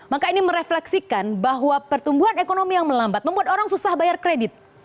maka ini merefleksikan bahwa pertumbuhan ekonomi yang melambat membuat orang susah bayar kredit